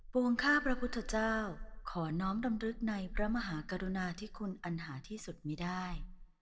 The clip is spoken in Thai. วงข้าพระพุทธเจ้าขอน้อมดำรึกในพระมหากรุณาที่คุณอันหาที่สุดมีได้